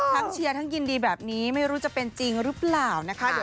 เชียร์ทั้งยินดีแบบนี้ไม่รู้จะเป็นจริงหรือเปล่านะคะ